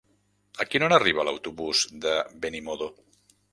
A quina hora arriba l'autobús de Benimodo?